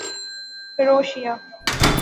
کروشیا